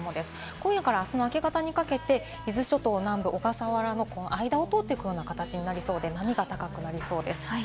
今夜からあすの明け方にかけて伊豆諸島南部、小笠原の間を通っていく形になりそうで、波が高くなりそうです。